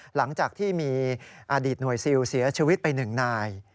หลังจากที่มีอดีตหน่วยซิลเสียชีวิตไป๑นาย